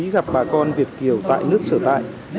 gặp bà con việt kiều tại nước sở tại